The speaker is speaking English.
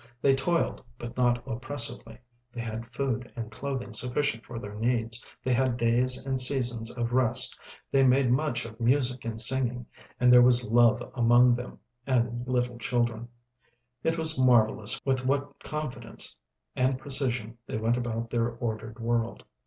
They toiled, but not oppressively; they had food and clothing sufficient for their needs; they had days and seasons of rest; they made much of music and singing, and there was love among them and little children. It was marvellous with what confidence and precision they went about their ordered world.